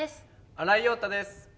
新井庸太です。